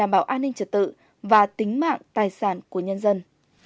bảo an ninh trật tự và tính mạng tài sản của nhân dân